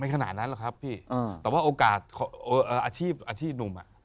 ขนาดนั้นหรอกครับพี่แต่ว่าโอกาสอาชีพอาชีพหนุ่มอ่ะ